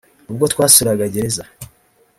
ubwo twasuraga Gereza